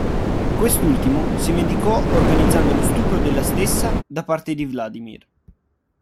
Quest'ultimo si vendicò organizzando lo stupro della stessa da parte di Vladimir.